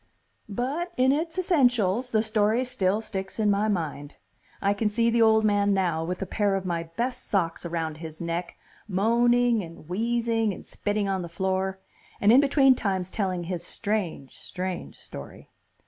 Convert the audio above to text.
But in its essentials, the story still sticks in my mind.... I can see the old man now, with a pair of my best socks around his neck, moaning and wheezing and spitting on the floor, and in between times telling his strange, strange story.